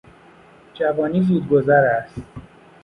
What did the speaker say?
جوانی زود گذر است.